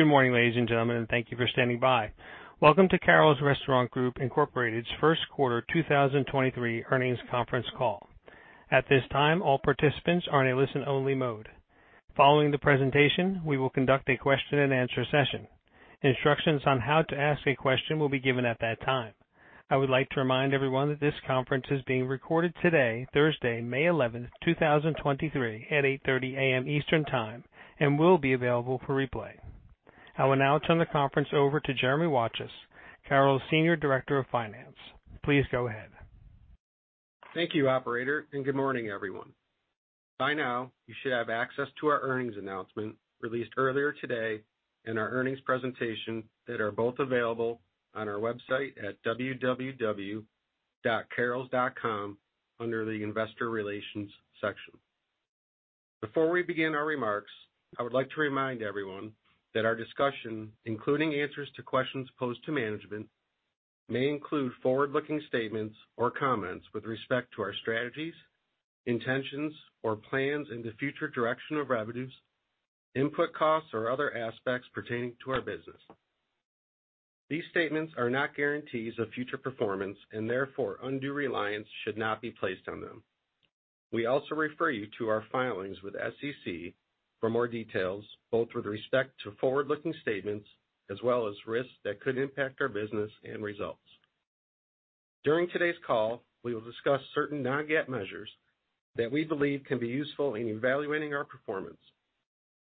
Good morning, ladies and gentlemen, and thank you for standing by. Welcome to Carrols Restaurant Group, Inc.'s first quarter 2023 earnings conference call. At this time, all participants are in a listen-only mode. Following the presentation, we will conduct a question-and-answer session. Instructions on how to ask a question will be given at that time. I would like to remind everyone that this conference is being recorded today, Thursday, May 11th, 2023, at 8:30 A.M. Eastern Time and will be available for replay. I will now turn the conference over to Jeremy Watchus, Carrols Senior Director of Finance. Please go ahead. Thank you, operator, and good morning, everyone. By now, you should have access to our earnings announcement released earlier today and our earnings presentation that are both available on our website at www.carrols.com under the Investor Relations section. Before we begin our remarks, I would like to remind everyone that our discussion, including answers to questions posed to management, may include forward-looking statements or comments with respect to our strategies, intentions, or plans in the future direction of revenues, input costs, or other aspects pertaining to our business. These statements are not guarantees of future performance, and therefore undue reliance should not be placed on them. We also refer you to our filings with SEC for more details, both with respect to forward-looking statements as well as risks that could impact our business and results. During today's call, we will discuss certain non-GAAP measures that we believe can be useful in evaluating our performance.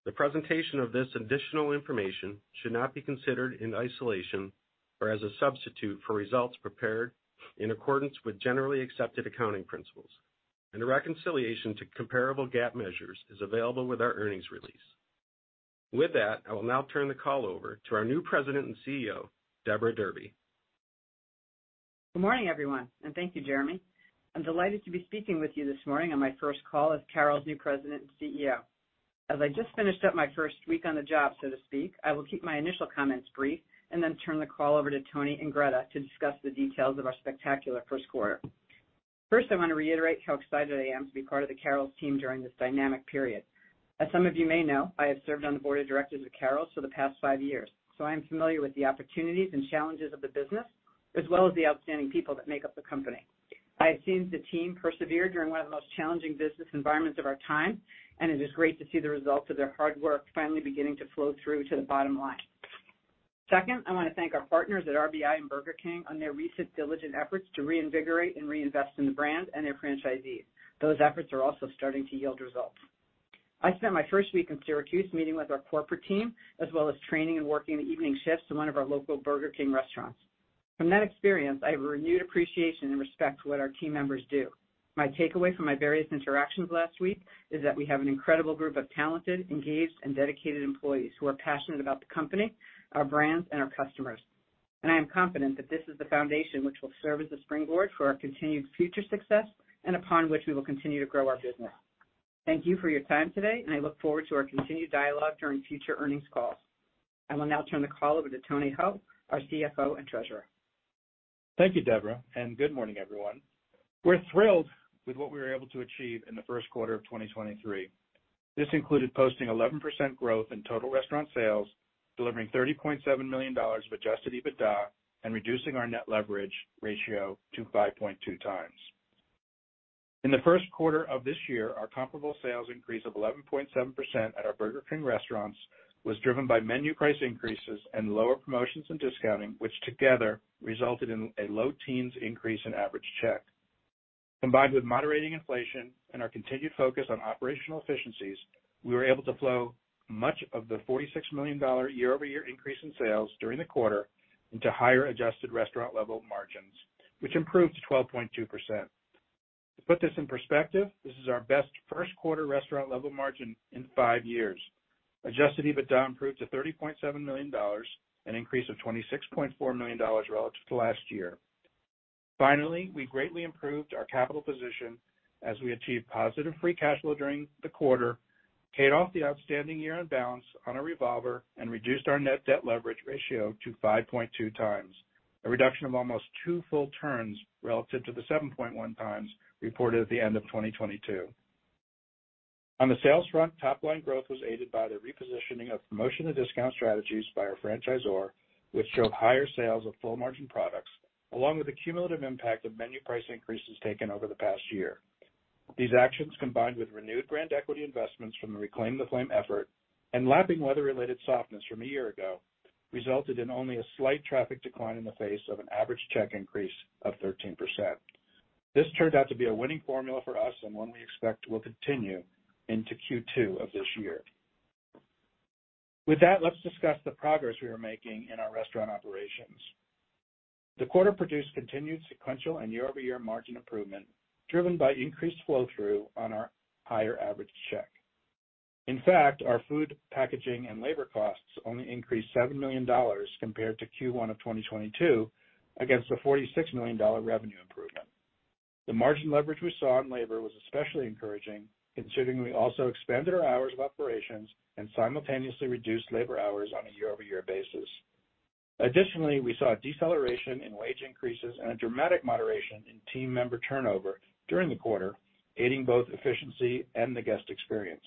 The presentation of this additional information should not be considered in isolation or as a substitute for results prepared in accordance with generally accepted accounting principles. A reconciliation to comparable GAAP measures is available with our earnings release. With that, I will now turn the call over to our new President and CEO, Deborah Derby. Good morning, everyone. Thank you, Jeremy. I'm delighted to be speaking with you this morning on my first call as Carrols' new president and CEO. I just finished up my first week on the job, so to speak. I will keep my initial comments brief and then turn the call over to Tony and Greta to discuss the details of our spectacular first quarter. First, I wanna reiterate how excited I am to be part of the Carrols team during this dynamic period. Some of you may know, I have served on the board of directors of Carrols for the past five years, so I am familiar with the opportunities and challenges of the business, as well as the outstanding people that make up the company. I have seen the team persevere during one of the most challenging business environments of our time, and it is great to see the results of their hard work finally beginning to flow through to the bottom line. Second, I wanna thank our partners at RBI and Burger King on their recent diligent efforts to reinvigorate and reinvest in the brand and their franchisees. Those efforts are also starting to yield results. I spent my first week in Syracuse meeting with our corporate team, as well as training and working the evening shifts in one of our local Burger King restaurants. From that experience, I have a renewed appreciation and respect for what our team members do. My takeaway from my various interactions last week is that we have an incredible group of talented, engaged, and dedicated employees who are passionate about the company, our brands, and our customers. I am confident that this is the foundation which will serve as the springboard for our continued future success and upon which we will continue to grow our business. Thank you for your time today, and I look forward to our continued dialogue during future earnings calls. I will now turn the call over to Tony Hull, our CFO and Treasurer. Thank you, Deborah. Good morning, everyone. We're thrilled with what we were able to achieve in the first quarter of 2023. This included posting 11% growth in total restaurant sales, delivering $30.7 million of adjusted EBITDA, and reducing our net leverage ratio to 5.2x. In the first quarter of this year, our comparable sales increase of 11.7% at our Burger King restaurants was driven by menu price increases and lower promotions and discounting, which together resulted in a low teens increase in average check. Combined with moderating inflation and our continued focus on operational efficiencies, we were able to flow much of the $46 million year-over-year increase in sales during the quarter into higher adjusted restaurant level margins, which improved to 12.2%. To put this in perspective, this is our best first quarter restaurant-level margin in five years. Adjusted EBITDA improved to $30.7 million, an increase of $26.4 million relative to last year. Finally, we greatly improved our capital position as we achieved positive free cash flow during the quarter, paid off the outstanding year-end balance on our revolver, and reduced our net debt leverage ratio to 5.2x, a reduction of almost two full turns relative to the 7.1x reported at the end of 2022. On the sales front, top-line growth was aided by the repositioning of promotion to discount strategies by our franchisor, which showed higher sales of full margin products, along with the cumulative impact of menu price increases taken over the past year. These actions, combined with renewed brand equity investments from the Reclaim the Flame effort and lapping weather-related softness from a year ago, resulted in only a slight traffic decline in the face of an average check increase of 13%. This turned out to be a winning formula for us and one we expect will continue into Q2 of this year. With that, let's discuss the progress we are making in our restaurant operations. The quarter produced continued sequential and year-over-year margin improvement, driven by increased flow-through on our higher average check. In fact, our food, packaging, and labor costs only increased $7 million compared to Q1 of 2022 against the $46 million revenue improvement. The margin leverage we saw in labor was especially encouraging, considering we also expanded our hours of operations and simultaneously reduced labor hours on a year-over-year basis. Additionally, we saw a deceleration in wage increases and a dramatic moderation in team member turnover during the quarter, aiding both efficiency and the guest experience.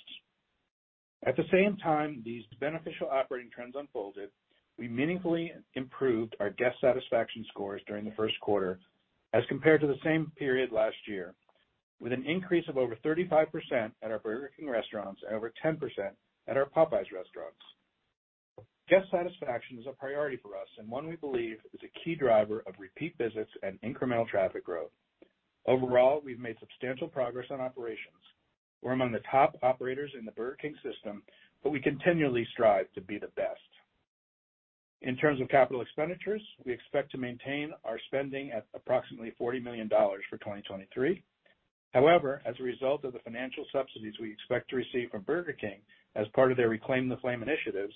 At the same time these beneficial operating trends unfolded, we meaningfully improved our guest satisfaction scores during the first quarter as compared to the same period last year, with an increase of over 35% at our Burger King restaurants and over 10% at our Popeyes restaurants. Guest satisfaction is a priority for us and one we believe is a key driver of repeat visits and incremental traffic growth. Overall, we've made substantial progress on operations. We're among the top operators in the Burger King system, but we continually strive to be the best. As a result of the financial subsidies we expect to receive from Burger King as part of their Reclaim the Flame initiatives,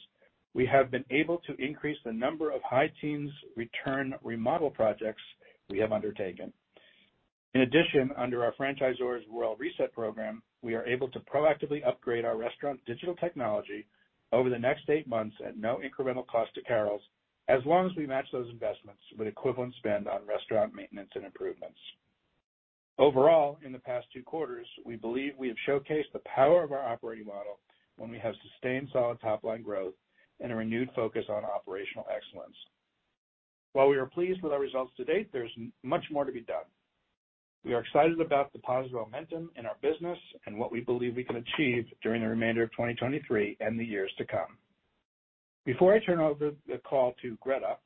we have been able to increase the number of high teens return remodel projects we have undertaken. Under our franchisor's Royal Reset program, we are able to proactively upgrade our restaurant digital technology over the next eight months at no incremental cost to Carrols, as long as we match those investments with equivalent spend on restaurant maintenance and improvements. In terms of capital expenditures, we expect to maintain our spending at approximately $40 million for 2023. In the past two quarters, we believe we have showcased the power of our operating model when we have sustained solid top-line growth and a renewed focus on operational excellence. While we are pleased with our results to date, there's much more to be done. We are excited about the positive momentum in our business and what we believe we can achieve during the remainder of 2023 and the years to come. Before I turn over the call to Greta,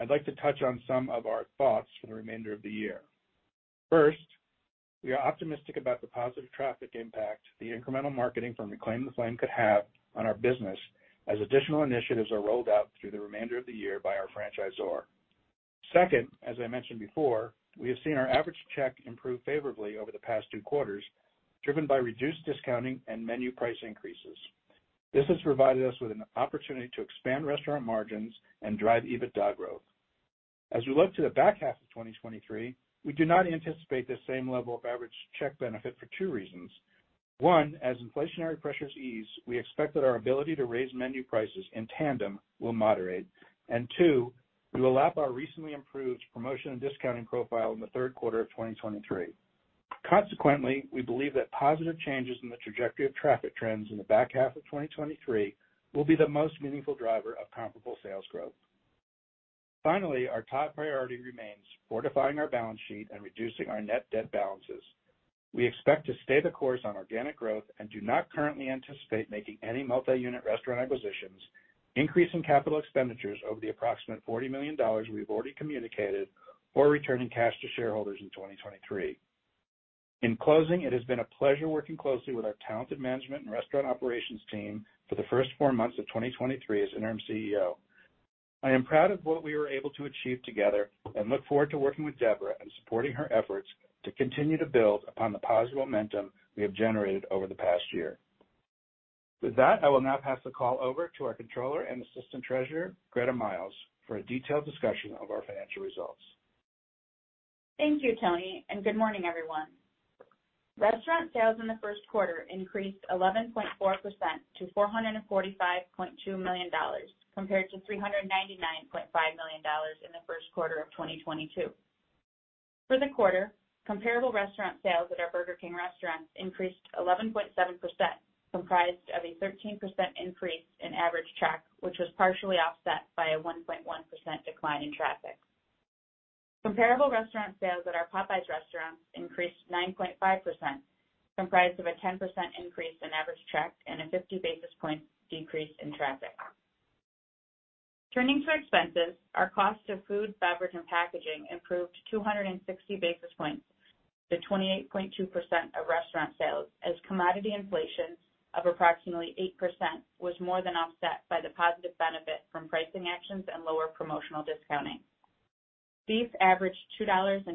I'd like to touch on some of our thoughts for the remainder of the year. First, we are optimistic about the positive traffic impact the incremental marketing from Reclaim the Flame could have on our business as additional initiatives are rolled out through the remainder of the year by our franchisor. Second, as I mentioned before, we have seen our average check improve favorably over the past two quarters, driven by reduced discounting and menu price increases. This has provided us with an opportunity to expand restaurant margins and drive EBITDA growth. As we look to the back half of 2023, we do not anticipate the same level of average check benefit for two reasons. One, as inflationary pressures ease, we expect that our ability to raise menu prices in tandem will moderate. Two, we will lap our recently improved promotion and discounting profile in the third quarter of 2023. Consequently, we believe that positive changes in the trajectory of traffic trends in the back half of 2023 will be the most meaningful driver of comparable sales growth. Finally, our top priority remains fortifying our balance sheet and reducing our net debt balances. We expect to stay the course on organic growth and do not currently anticipate making any multi-unit restaurant acquisitions, increasing capital expenditures over the approximate $40 million we've already communicated, or returning cash to shareholders in 2023. In closing, it has been a pleasure working closely with our talented management and restaurant operations team for the first four months of 2023 as interim CEO. I am proud of what we were able to achieve together and look forward to working with Deborah and supporting her efforts to continue to build upon the positive momentum we have generated over the past year. With that, I will now pass the call over to our controller and assistant treasurer, Gretta Miles, for a detailed discussion of our financial results. Thank you, Tony, and good morning, everyone. Restaurant sales in the first quarter increased 11.4% to $445.2 million compared to $399.5 million in the first quarter of 2022. For the quarter, comparable restaurant sales at our Burger King restaurants increased 11.7%, comprised of a 13% increase in average check, which was partially offset by a 1.1% decline in traffic. Comparable restaurant sales at our Popeyes restaurants increased 9.5%, comprised of a 10% increase in average check and a 50 basis point decrease in traffic. Turning to expenses, our cost of food, beverage, and packaging improved 260 basis points to 28.2% of restaurant sales as commodity inflation of approximately 8% was more than offset by the positive benefit from pricing actions and lower promotional discounting. Beef averaged $2.53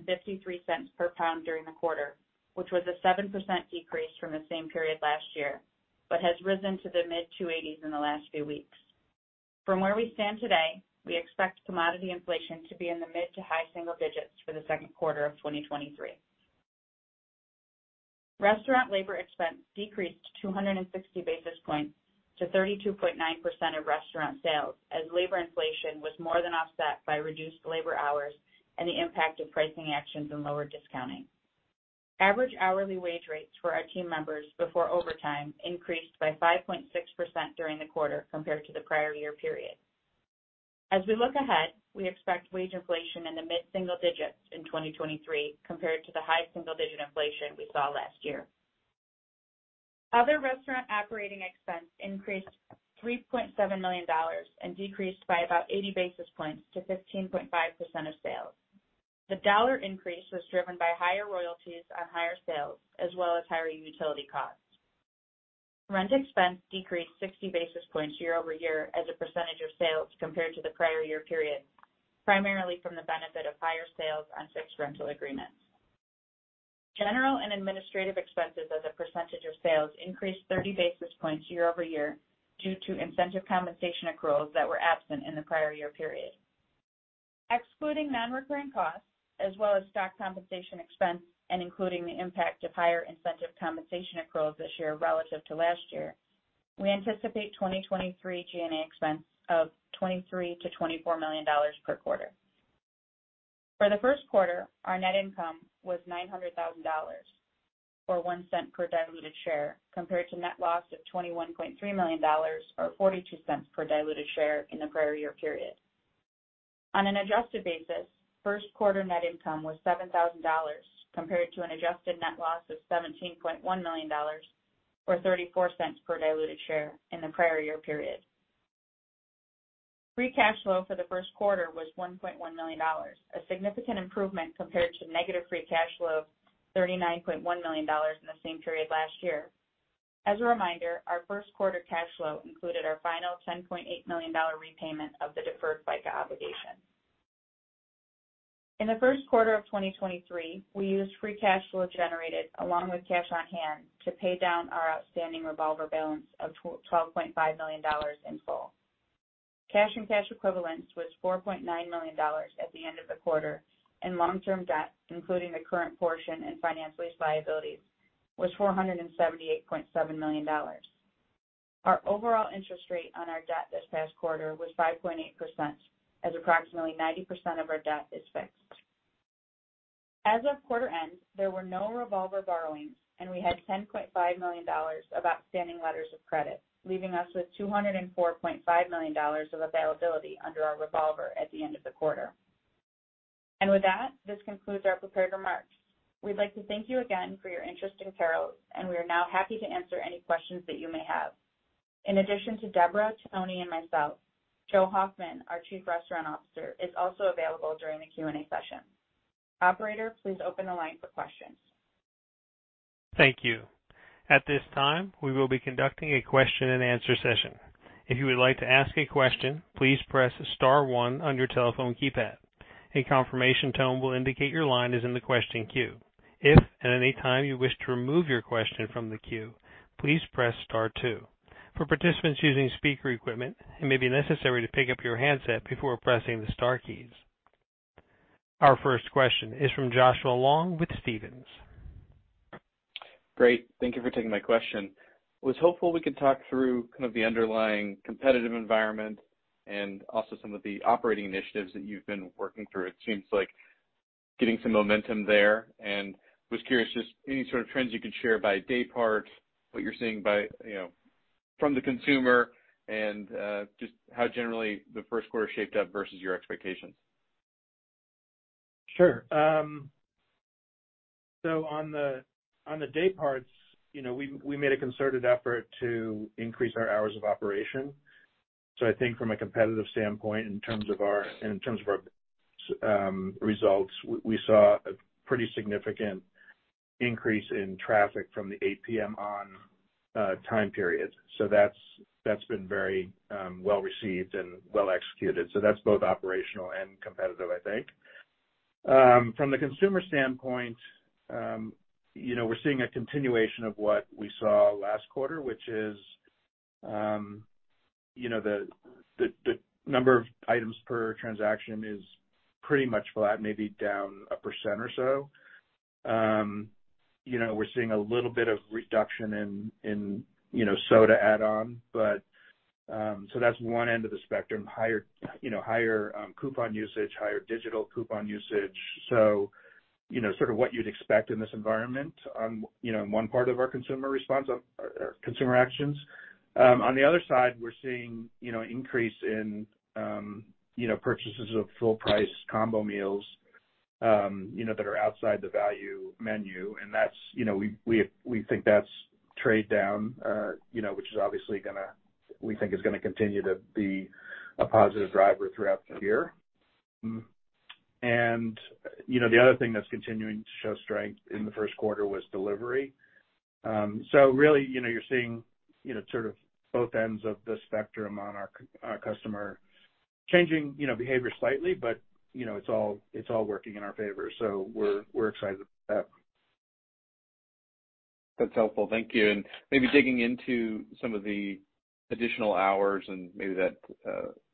per pound during the quarter, which was a 7% decrease from the same period last year, but has risen to the mid-$2.80s in the last few weeks. From where we stand today, we expect commodity inflation to be in the mid to high single digits for the second quarter of 2023. Restaurant labor expense decreased 260 basis points to 32.9% of restaurant sales as labor inflation was more than offset by reduced labor hours and the impact of pricing actions and lower discounting. Average hourly wage rates for our team members before overtime increased by 5.6% during the quarter compared to the prior year period. As we look ahead, we expect wage inflation in the mid-single digits in 2023 compared to the high single-digit inflation we saw last year. Other restaurant operating expense increased $3.7 million and decreased by about 80 basis points to 15.5% of sales. The dollar increase was driven by higher royalties on higher sales as well as higher utility costs. Rent expense decreased 60 basis points year-over-year as a percentage of sales compared to the prior year period, primarily from the benefit of higher sales on fixed rental agreements. General and administrative expenses as a percentage of sales increased 30 basis points year-over-year due to incentive compensation accruals that were absent in the prior year period. Excluding non-recurring costs as well as stock compensation expense and including the impact of higher incentive compensation accruals this year relative to last year, we anticipate 2023 G&A expense of $23 million-$24 million per quarter. For the first quarter, our net income was $900,000, or $0.01 per diluted share, compared to net loss of $21.3 million or $0.42 per diluted share in the prior year period. On an adjusted basis, first quarter net income was $7,000, compared to an adjusted net loss of $17.1 million or $0.34 per diluted share in the prior year period. Free cash flow for the first quarter was $1.1 million, a significant improvement compared to negative free cash flow of $39.1 million in the same period last year. As a reminder, our first quarter cash flow included our final $10.8 million repayment of the deferred FICA obligation. In the first quarter of 2023, we used free cash flow generated along with cash on hand to pay down our outstanding revolver balance of $12.5 million in full. Cash and cash equivalents was $4.9 million at the end of the quarter, and long-term debt, including the current portion and finance lease liabilities, was $478.7 million. Our overall interest rate on our debt this past quarter was 5.8%, as approximately 90% of our debt is fixed. As of quarter end, there were no revolver borrowings, and we had $10.5 million of outstanding letters of credit, leaving us with $204.5 million of availability under our revolver at the end of the quarter. With that, this concludes our prepared remarks. We'd like to thank you again for your interest in Carrols, and we are now happy to answer any questions that you may have. In addition to Deborah, Tony, and myself, Joseph Hoffman, our Chief Restaurant Officer, is also available during the Q&A session. Operator, please open the line for questions. Thank you. At this time, we will be conducting a question and answer session. If you would like to ask a question, please press star one on your telephone keypad. A confirmation tone will indicate your line is in the question queue. If at any time you wish to remove your question from the queue, please press star two. For participants using speaker equipment, it may be necessary to pick up your handset before pressing the star keys. Our first question is from Joshua Long with Stephens. Great. Thank you for taking my question. Was hopeful we could talk through kind of the underlying competitive environment and also some of the operating initiatives that you've been working through. It seems like getting some momentum there, and was curious just any sort of trends you could share by day part, what you're seeing by, you know, from the consumer, and just how generally the first quarter shaped up versus your expectations. Sure. So on the day parts, you know, we made a concerted effort to increase our hours of operation. I think from a competitive standpoint, in terms of our results, we saw a pretty significant increase in traffic from the 8:00P.M. on time period. That's been very well-received and well-executed. That's both operational and competitive, I think. From the consumer standpoint, you know, we're seeing a continuation of what we saw last quarter, which is, you know, the number of items per transaction is pretty much flat, maybe down 1% or so. You know, we're seeing a little bit of reduction in, you know, soda add-on, but so that's one end of the spectrum. Higher, you know, higher coupon usage, higher digital coupon usage. You know, sort of what you'd expect in this environment on, you know, in one part of our consumer response or consumer actions. On the other side, we're seeing, you know, increase in, you know, purchases of full price combo meals, you know, that are outside the value menu and that's, you know, we think that's trade down, you know, which is obviously We think is gonna continue to be a positive driver throughout the year. Mm-hmm. You know, the other thing that's continuing to show strength in the first quarter was delivery. Really, you know, you're seeing, you know, sort of both ends of the spectrum on our customer changing, you know, behavior slightly, but, you know, it's all working in our favor. We're excited with that. That's helpful. Thank you. Maybe digging into some of the additional hours and maybe that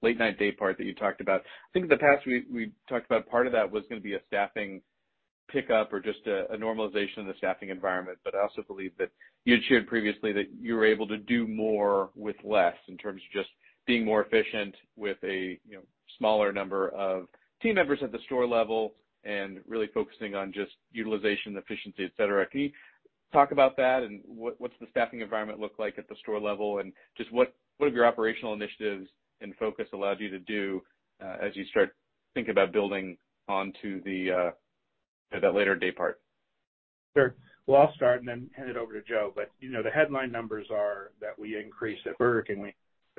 late night day part that you talked about. I think in the past, we talked about part of that was gonna be a staffing pickup or just a normalization of the staffing environment. I also believe that you had shared previously that you were able to do more with less in terms of just being more efficient with a, you know, smaller number of team members at the store level and really focusing on just utilization, efficiency, et cetera. Can you talk about that and what's the staffing environment look like at the store level and just what have your operational initiatives and focus allowed you to do, as you start thinking about building onto the, you know, that later day part? Sure. Well, I'll start and then hand it over to Joe. You know, the headline numbers are that we increased at Burger King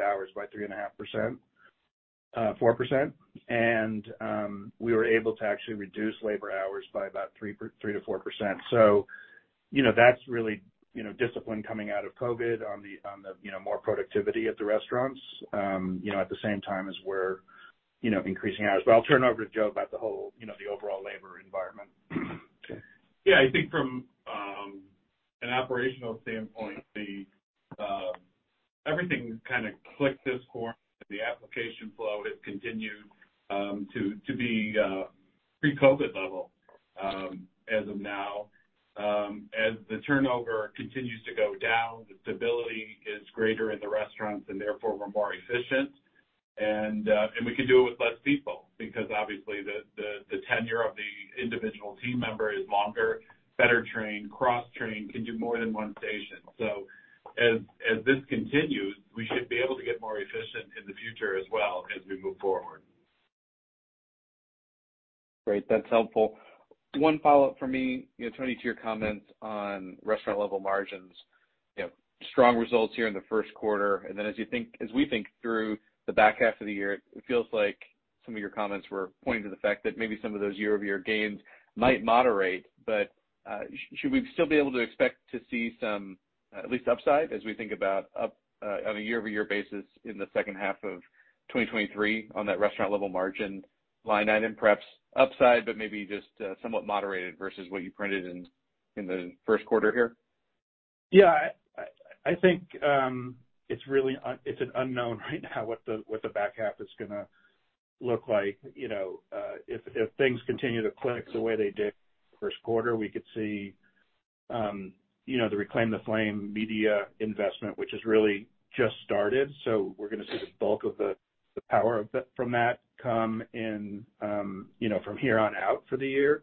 hours by 3.5%, 4%, and we were able to actually reduce labor hours by about 3%-4%. You know, that's really, you know, discipline coming out of COVID on the, you know, more productivity at the restaurants, you know, at the same time as we're, you know, increasing hours. I'll turn over to Joe about the whole, you know, the overall labor environment. Yeah, I think from an operational standpoint, the everything kind of clicked this quarter. The application flow has continued to to be pre-COVID level as of now. As the turnover continues to go down, the stability is greater in the restaurants and therefore we're more efficient and we can do it with less people because obviously the tenure of the individual team member is longer, better trained, cross-trained, can do more than one station. As this continues, we should be able to get more efficient in the future as well as we move forward. Great. That's helpful. One follow-up for me, you know, Tony, to your comments on restaurant-level margins. You know, strong results here in the first quarter, and then as we think through the back half of the year, it feels like some of your comments were pointing to the fact that maybe some of those year-over-year gains might moderate. Should we still be able to expect to see some at least upside as we think about up on a year-over-year basis in the second half of 2023 on that restaurant-level margin line item, perhaps upside, but maybe just somewhat moderated versus what you printed in the first quarter here? Yeah. I think, it's really it's an unknown right now what the back half is gonna look like. You know, if things continue to click the way they did 1st quarter, we could see, you know, the Reclaim the Flame media investment, which has really just started. We're gonna see the bulk of the power of that from that come in, you know, from here on out for the year.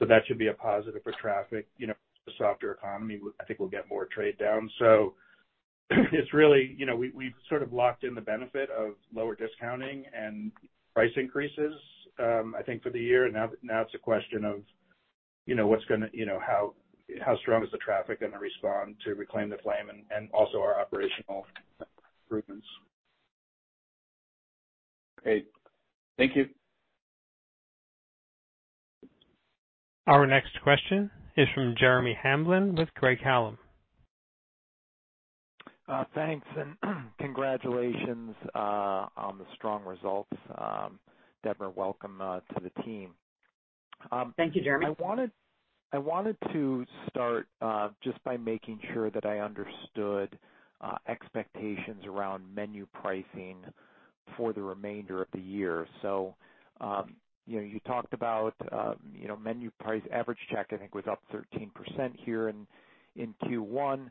That should be a positive for traffic. You know, a softer economy, I think we'll get more trade down. It's really, you know, we've sort of locked in the benefit of lower discounting and price increases, I think for the year. Now it's a question of, you know, what's gonna... You know, how strong is the traffic gonna respond to Reclaim the Flame and also our operational improvements? Great. Thank you. Our next question is from Jeremy Hamblin with Craig-Hallum. Thanks and congratulations on the strong results. Deborah, welcome to the team. Thank you, Jeremy. I wanted to start just by making sure that I understood expectations around menu pricing for the remainder of the year. You know, you talked about, you know, average check, I think, was up 13% here in Q1.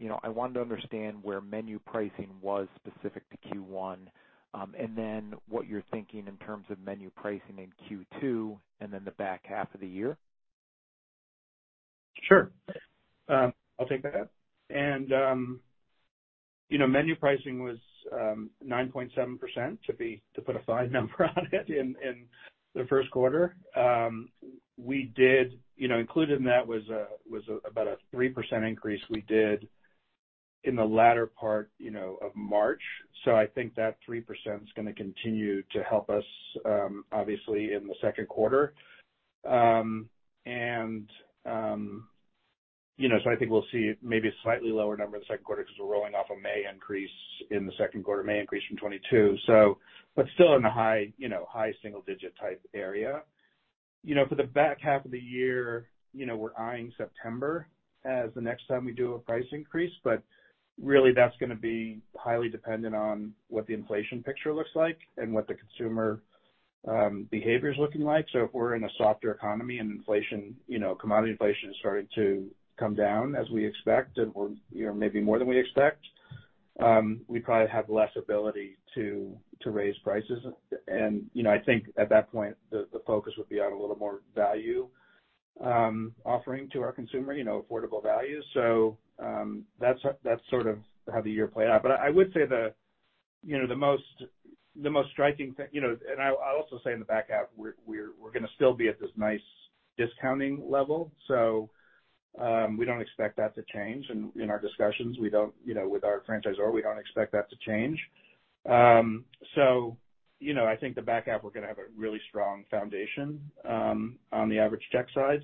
You know, I wanted to understand where menu pricing was specific to Q1, and then what you're thinking in terms of menu pricing in Q2 and then the back half of the year. Sure. I'll take that. You know, menu pricing was 9.7% to put a five number on it in the first quarter. We did. You know, included in that was about a 3% increase we did in the latter part, you know, of March. I think that 3% is gonna continue to help us, obviously in the second quarter. You know, I think we'll see maybe a slightly lower number in the second quarter because we're rolling off a May increase in the second quarter, May increase from 2022. Still in the high, you know, single digit type area. You know, for the back half of the year, you know, we're eyeing September as the next time we do a price increase. Really that's gonna be highly dependent on what the inflation picture looks like and what the consumer behavior is looking like. If we're in a softer economy and inflation, you know, commodity inflation is starting to come down as we expect and we're, you know, maybe more than we expect, we probably have less ability to raise prices. I think at that point the focus would be on a little more value offering to our consumer, you know, affordable value. That's, that's sort of how the year played out. I would say the, you know, the most striking thing, you know, I'll also say in the back half, we're gonna still be at this nice discounting level. We don't expect that to change in our discussions. We don't, you know, with our franchisor, we don't expect that to change. You know, I think the back half we're gonna have a really strong foundation, on the average check side.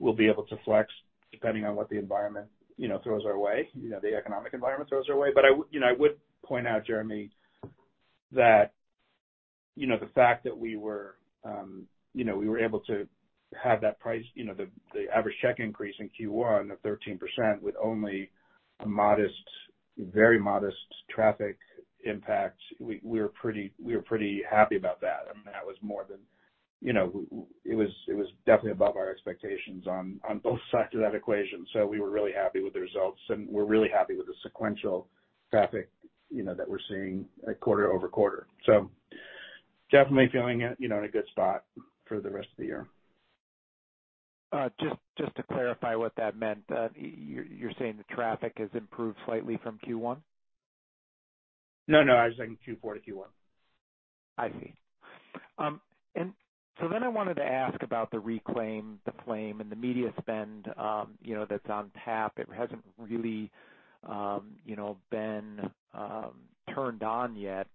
We'll be able to flex depending on what the environment, you know, throws our way, you know, the economic environment throws our way. I would point out, Jeremy, that, you know, the fact that we were, you know, we were able to have that price, you know, the average check increase in Q1 of 13% with only a modest, very modest traffic impact, we were pretty happy about that. I mean, that was more than, you know, it was, it was definitely above our expectations on both sides of that equation. We were really happy with the results, and we're really happy with the sequential traffic, you know, that we're seeing at quarter-over-quarter. Definitely feeling, you know, in a good spot for the rest of the year. Just to clarify what that meant. You're saying the traffic has improved slightly from Q1? No, no. I was saying Q4 to Q1. I see. I wanted to ask about the Reclaim the Flame and the media spend, you know, that's on tap. It hasn't really, you know, been turned on yet,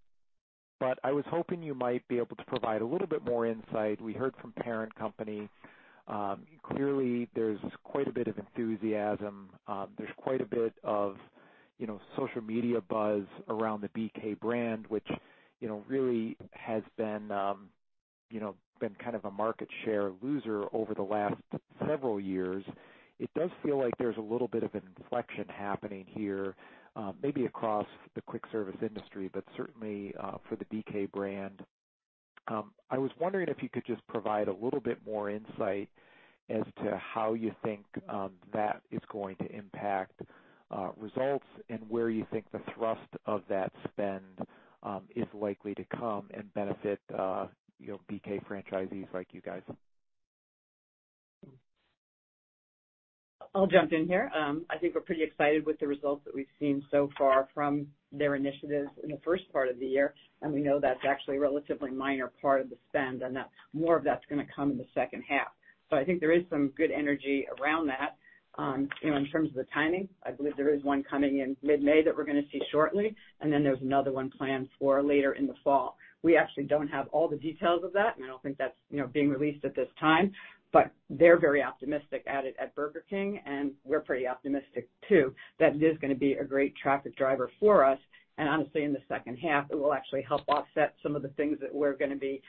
but I was hoping you might be able to provide a little bit more insight. We heard from parent company. Clearly there's quite a bit of enthusiasm. You know, social media buzz around the BK brand, which, you know, really has been kind of a market share loser over the last several years. It does feel like there's a little bit of an inflection happening here, maybe across the quick service industry, but certainly for the BK brand. I was wondering if you could just provide a little bit more insight as to how you think that is going to impact results and where you think the thrust of that spend is likely to come and benefit, you know, BK franchisees like you guys? I'll jump in here. I think we're pretty excited with the results that we've seen so far from their initiatives in the first part of the year. We know that's actually a relatively minor part of the spend, and that more of that's gonna come in the second half. I think there is some good energy around that. In terms of the timing, I believe there is one coming in mid-May that we're gonna see shortly. There's another one planned for later in the fall. We actually don't have all the details of that. I don't think that's being released at this time. They're very optimistic at it at Burger King. We're pretty optimistic too, that it is gonna be a great traffic driver for us. Honestly, in the second half, it will actually help offset some of the things that we're gonna be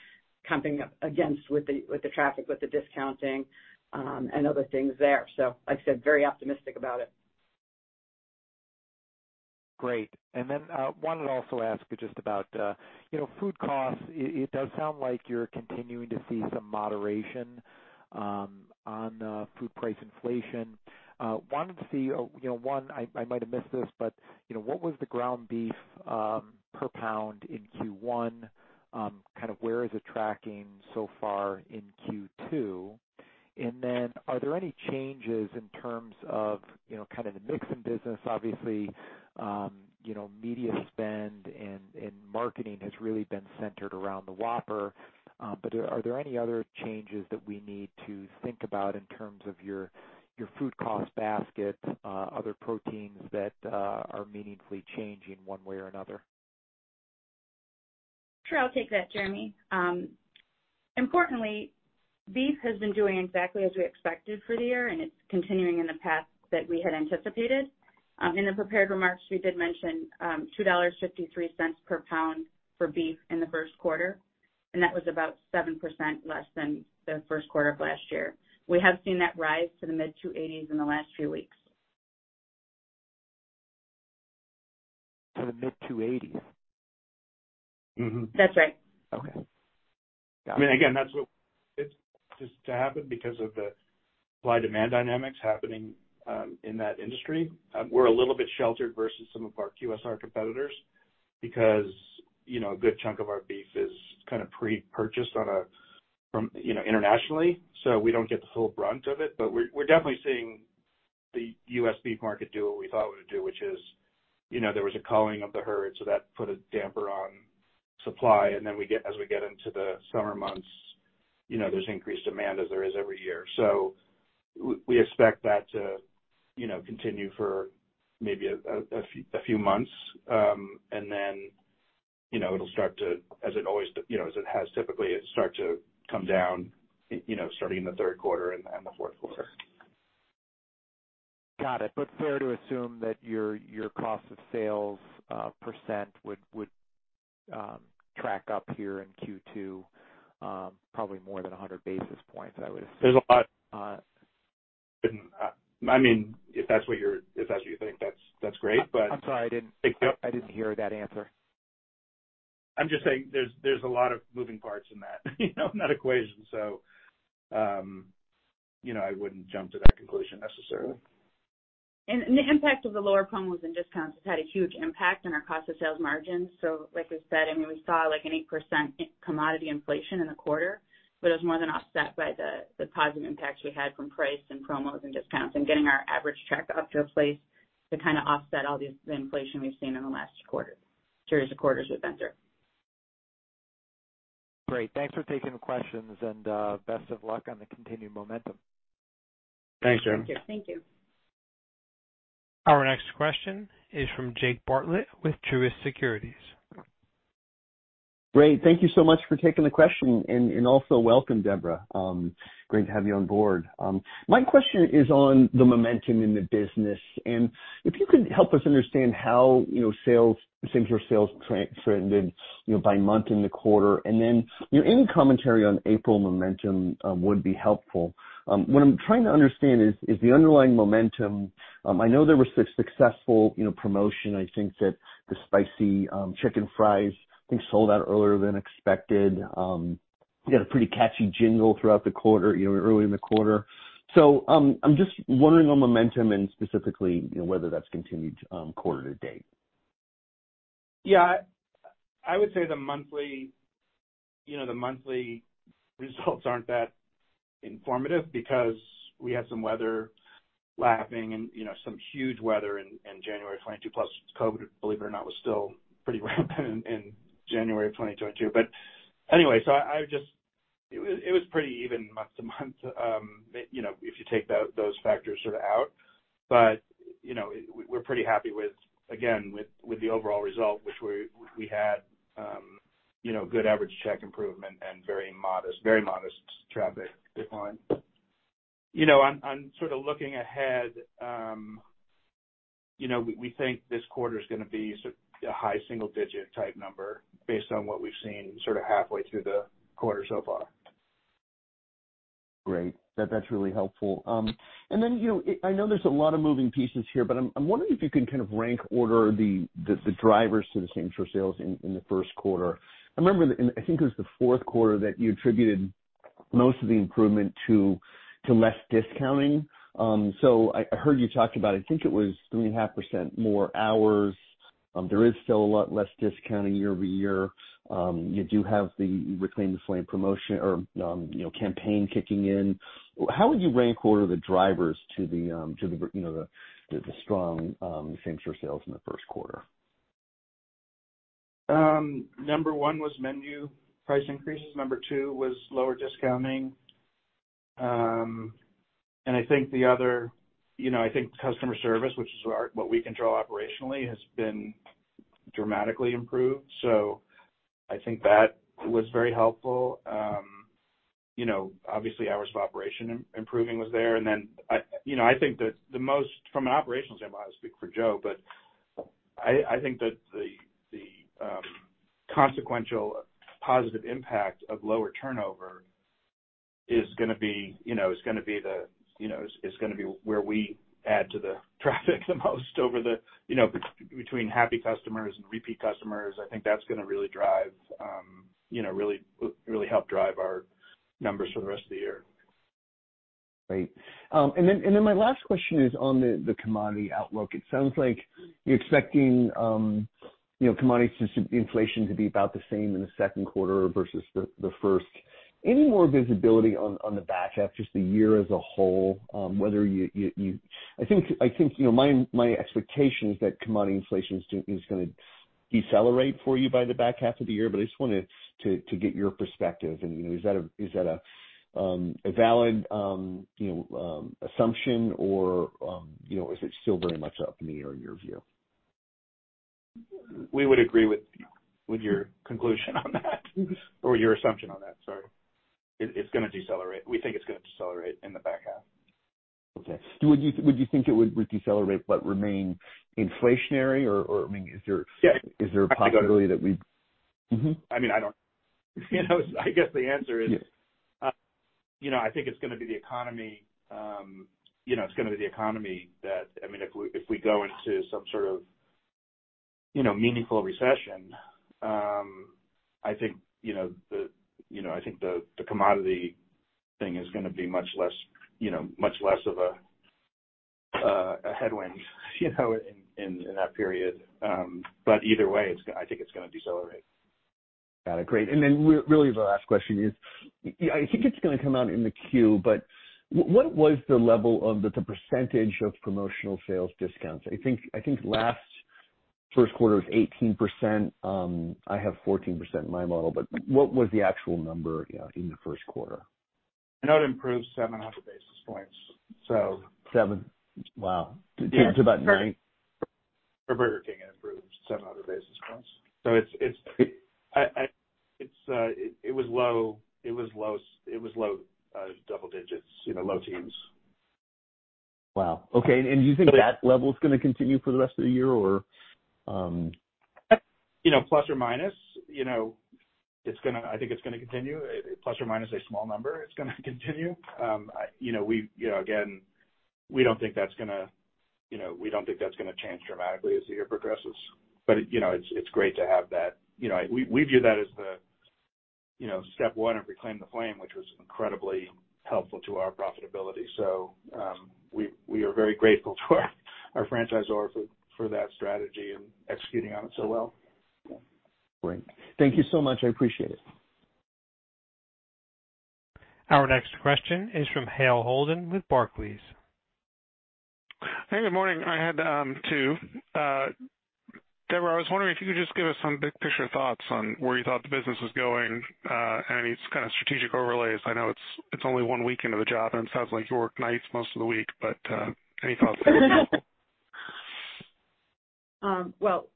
comping up against with the, with the traffic, with the discounting, and other things there. Like I said, very optimistic about it. Great. wanted to also ask you just about, you know, food costs. It, it does sound like you're continuing to see some moderation on food price inflation. wanted to see, you know, one, I might have missed this, but, you know, what was the ground beef per pound in Q1? kind of where is it tracking so far in Q2? are there any changes in terms of, you know, kind of the mix in business? Obviously, you know, media spend and marketing has really been centered around the Whopper. are there any other changes that we need to think about in terms of your food cost basket, other proteins that are meaningfully changing one way or another? Sure. I'll take that, Jeremy. Importantly, beef has been doing exactly as we expected for the year, it's continuing in the path that we had anticipated. In the prepared remarks, we did mention, $2.53 per pound for beef in the first quarter, that was about 7% less than the first quarter of last year. We have seen that rise to the mid-$2.80s in the last few weeks. To the mid-$2.80s? Mm-hmm. That's right. Okay. Got it. I mean, again, that's what it's to happen because of the supply demand dynamics happening in that industry. We're a little bit sheltered versus some of our QSR competitors because, you know, a good chunk of our beef is kinda pre-purchased from, you know, internationally, so we don't get the full brunt of it. We're definitely seeing The U.S. beef market do what we thought it would do, which is, you know, there was a culling of the herd, so that put a damper on supply. As we get into the summer months, you know, there's increased demand as there is every year. We expect that to, you know, continue for maybe a few months, and then, you know, it'll start to, as it always, you know, as it has typically start to come down, you know, starting in the third quarter and the fourth quarter. Got it. Fair to assume that your cost of sales, percent would track up here in Q2, probably more than 100 basis points, I would assume. There's a lot. Uh- I mean, if that's what you think, that's great, but- I'm sorry. Nope. I didn't hear that answer. I'm just saying there's a lot of moving parts in that you know, in that equation. You know, I wouldn't jump to that conclusion necessarily. The impact of the lower promos and discounts has had a huge impact on our cost of sales margins. Like we said, I mean, we saw like an 8% in commodity inflation in the quarter, it was more than offset by the positive impacts we had from price and promos and discounts and getting our average check up to a place to kinda offset all the inflation we've seen in the last quarter, series of quarters with vendor. Great. Thanks for taking the questions and best of luck on the continued momentum. Thanks, Jeremy. Thank you. Thank you. Our next question is from Jake Bartlett with Truist Securities. Great. Thank you so much for taking the question and also welcome, Deborah. Great to have you on board. My question is on the momentum in the business, and if you could help us understand how, you know, sales, same store sales trended, you know, by month in the quarter, and then any commentary on April momentum would be helpful. What I'm trying to understand is the underlying momentum. I know there was successful, you know, promotion. I think that the spicy chicken fries, I think, sold out earlier than expected. You had a pretty catchy jingle throughout the quarter, you know, early in the quarter. I'm just wondering on momentum and specifically, you know, whether that's continued quarter to date. Yeah. I would say the monthly, you know, the monthly results aren't that informative because we had some weather lapping and, you know, some huge weather in January of 2022, plus COVID, believe it or not, was still pretty rampant in January of 2022. It was pretty even month to month, you know, if you take those factors sort of out. You know, we're pretty happy with, again, with the overall result, which we had, you know, good average check improvement and very modest traffic decline. You know, on sort of looking ahead, you know, we think this quarter is gonna be a high single digit type number based on what we've seen sort of halfway through the quarter so far. Great. That's really helpful. Then, you, I know there's a lot of moving pieces here, but I'm wondering if you can kind of rank order the drivers to the same store sales in the first quarter. I remember, and I think it was the fourth quarter that you attributed most of the improvement to less discounting. I heard you talk about, I think it was 3.5% more hours. There is still a lot less discounting year-over-year. You do have the Reclaim the Flame promotion or, you know, campaign kicking in. How would you rank order the drivers to the, you know, the strong same store sales in the first quarter? Number one was menu price increases. Number two was lower discounting. I think the other, you know, I think customer service, which is our, what we control operationally, has been dramatically improved. So I think that was very helpful. You know, obviously hours of operation improving was there. Then I, you know, I think that the most from an operational standpoint, I'll speak for Joe, but I think that the consequential positive impact of lower turnover is gonna be, you know, is gonna be the, you know, is gonna be where we add to the traffic the most over the, you know, between happy customers and repeat customers. I think that's gonna really drive, you know, really help drive our numbers for the rest of the year. Great. Then my last question is on the commodity outlook. It sounds like you're expecting, you know, commodity inflation to be about the same in the second quarter versus the first. Any more visibility on the back half, just the year as a whole, whether you... I think, you know, my expectation is that commodity inflation is gonna decelerate for you by the back half of the year, but I just wanted to get your perspective. You know, is that a valid, you know, assumption or, you know, is it still very much up in the air in your view? We would agree with your conclusion on that or your assumption on that, sorry. It's gonna decelerate. We think it's gonna decelerate in the back half. Okay. Would you think it would decelerate but remain inflationary or, I mean, is there? Yeah. Is there a possibility that we-? I think I would-. Mm-hmm. I mean, I don't, you know, I guess the answer is. Yeah. You know, I think it's gonna be the economy, you know, it's gonna be the economy that, I mean, if we, if we go into some sort of, you know, meaningful recession, I think, you know, the, you know, I think the commodity thing is gonna be much less, you know, much less of a headwind, you know, in that period. Either way, I think it's gonna decelerate. Got it. Great. Really the last question is, I think it's gonna come out in the queue, what was the level of the percentage of promotional sales discounts? I think last first quarter was 18%. I have 14% in my model, what was the actual number, you know, in the first quarter? I know it improved 7.5 basis points, so. 7. Wow. Yeah. To about nine? For Burger King, it improved 7.5 basis points. It's, I, it's, it was low, double digits, you know, low teens. Wow. Okay. Do you think that level is gonna continue for the rest of the year or? You know, plus or minus, you know, I think it's gonna continue. Plus or minus a small number, it's gonna continue. You know, we, you know, again, we don't think that's gonna, you know, we don't think that's gonna change dramatically as the year progresses. You know, it's great to have that. You know, we view that as the, you know, step one of Reclaim the Flame, which was incredibly helpful to our profitability. We are very grateful to our franchisor for that strategy and executing on it so well. Great. Thank you so much. I appreciate it. Our next question is from Hale Holden with Barclays. Hey, good morning. I had two. Deborah, I was wondering if you could just give us some big picture thoughts on where you thought the business was going, any kind of strategic overlays. I know it's only one week into the job, and it sounds like you work nights most of the week. Any thoughts would help. Well,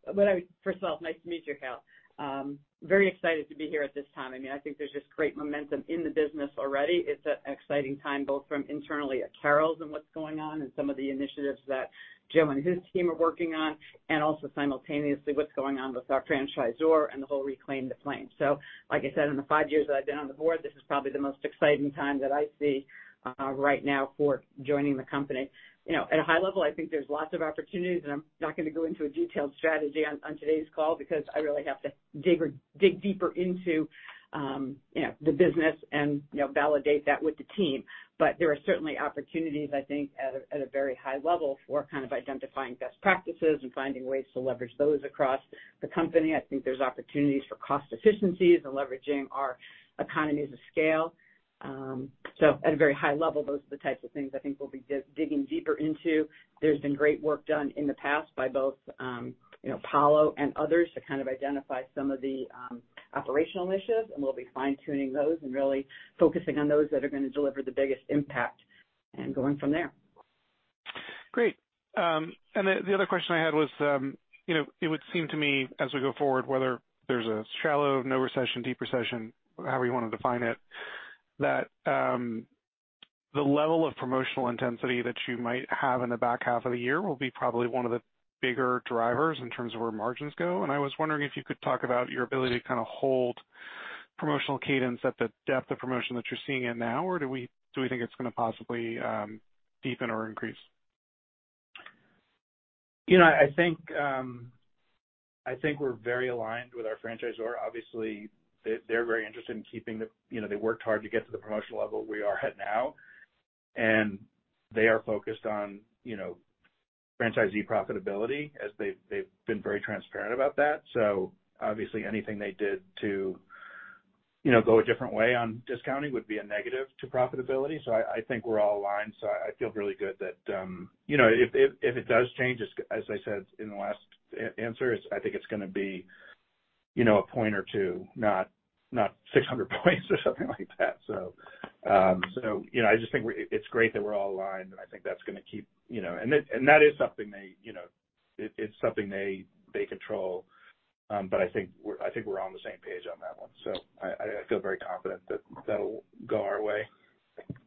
first of all, nice to meet you, Hale. Very excited to be here at this time. I mean, I think there's just great momentum in the business already. It's an exciting time, both from internally at Carrols and what's going on and some of the initiatives that Jim and his team are working on, and also simultaneously what's going on with our franchisor and the whole Reclaim the Flame. Like I said, in the five years that I've been on the board, this is probably the most exciting time that I see, right now for joining the company. You know, at a high level, I think there's lots of opportunities, and I'm not gonna go into a detailed strategy on today's call because I really have to dig deeper into, you know, the business and, you know, validate that with the team. There are certainly opportunities, I think, at a, at a very high level for kind of identifying best practices and finding ways to leverage those across the company. I think there's opportunities for cost efficiencies and leveraging our economies of scale. At a very high level, those are the types of things I think we'll be digging deeper into. There's been great work done in the past by both, you know, Paulo and others to kind of identify some of the operational initiatives, and we'll be fine-tuning those and really focusing on those that are gonna deliver the biggest impact and going from there. Great. The, the other question I had was, you know, it would seem to me as we go forward, whether there's a shallow, no recession, deep recession, however you wanna define it, that the level of promotional intensity that you might have in the back half of the year will be probably one of the bigger drivers in terms of where margins go. I was wondering if you could talk about your ability to kinda hold promotional cadence at the depth of promotion that you're seeing it now, or do we think it's gonna possibly deepen or increase? You know, I think, I think we're very aligned with our franchisor. Obviously, they're very interested in keeping the... You know, they worked hard to get to the promotional level we are at now, and they are focused on, you know, franchisee profitability as they've been very transparent about that. Obviously anything they did to, you know, go a different way on discounting would be a negative to profitability. I think we're all aligned. I feel really good that, you know, if it does change, as I said in the last answer, it's, I think it's gonna be, you know, a point or two, not 600 points or something like that. You know, I just think we're it's great that we're all aligned and I think that's gonna keep, you know... That is something they, you know, it's something they control. I think we're on the same page on that one. I feel very confident that that'll go our way.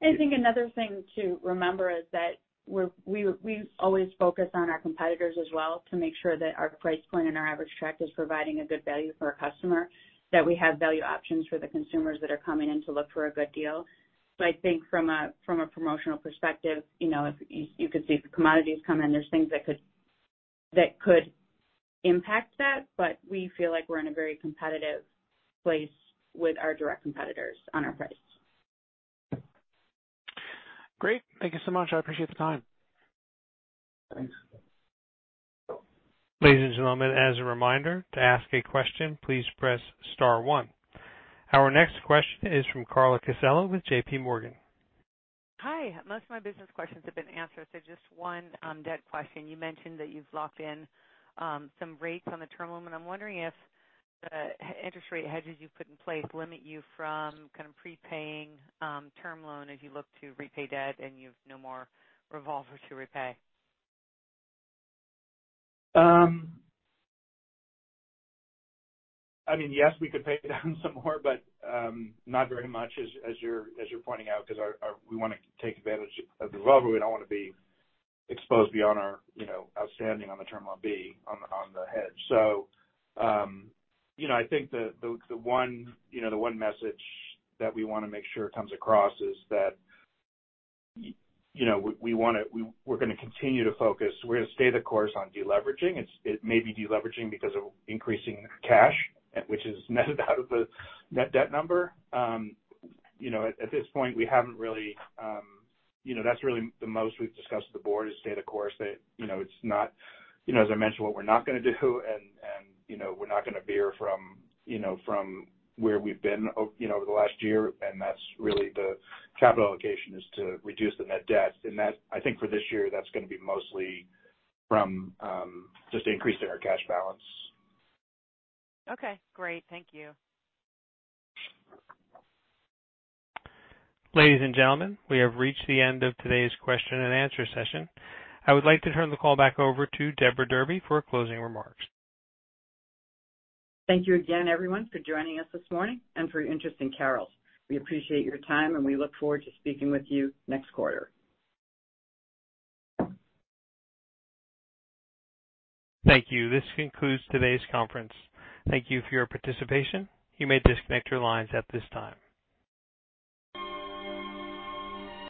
I think another thing to remember is that we always focus on our competitors as well to make sure that our price point and our average check is providing a good value for our customer, that we have value options for the consumers that are coming in to look for a good deal. I think from a promotional perspective, you know, if you could see if commodities come in, there's things that could impact that, but we feel like we're in a very competitive place with our direct competitors on our price. Great. Thank you so much. I appreciate the time. Thanks. Ladies and gentlemen, as a reminder, to ask a question, please press star one. Our next question is from Carla Casella with JPMorgan. Hi. Most of my business questions have been answered. Just one debt question. You mentioned that you've locked in some rates on the term loan. I'm wondering if the interest rate hedges you've put in place limit you from kind of prepaying term loan as you look to repay debt and you've no more revolver to repay. I mean, yes, we could pay down some more, not very much as you're pointing out, 'cause our we wanna take advantage of the revolver. We don't wanna be exposed beyond our, you know, outstanding on the Term Loan B on the hedge. I think the one, you know, the one message that we wanna make sure comes across is that, you know, we wanna, we're gonna continue to focus, we're gonna stay the course on deleveraging. It may be deleveraging because of increasing cash at, which is netted out of the net debt number. You know, at this point, we haven't really, you know, that's really the most we've discussed with the board is stay the course. That, you know, it's not, you know, as I mentioned, what we're not gonna do and, you know, we're not gonna veer from, you know, from where we've been, you know, over the last year. That's really the capital allocation is to reduce the net debt. That's, I think for this year, that's gonna be mostly from, just increasing our cash balance. Okay, great. Thank you. Ladies and gentlemen, we have reached the end of today's question and answer session. I would like to turn the call back over to Deborah Derby for closing remarks. Thank you again, everyone, for joining us this morning and for your interest in Carrols. We appreciate your time, and we look forward to speaking with you next quarter. Thank you. This concludes today's conference. Thank you for your participation. You may disconnect your lines at this time.